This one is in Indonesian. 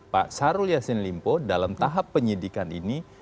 pak sarulya sinlimpo dalam tahap penyidikan ini